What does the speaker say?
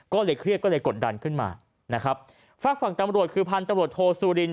ก็เลยเครียดก็เลยกดดันขึ้นมานะครับฝากฝั่งตำรวจคือพันธุ์ตำรวจโทสุริน